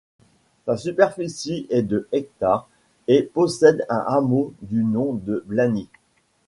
Sa superficie est de hectares et possède un hameau du nom de Blany.